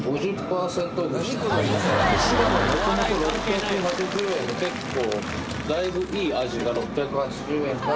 もともと６８０円って結構。